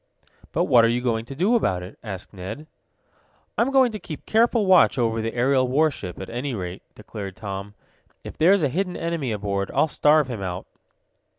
"But what are you going to do about it?" asked Ned. "I'm going to keep careful watch over the aerial warship, at any rate," declared Tom. "If there's a hidden enemy aboard, I'll starve him out."